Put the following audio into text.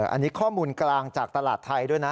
อันนี้ข้อมูลกลางจากตลาดไทยด้วยนะ